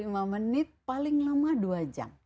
lima menit paling lama dua jam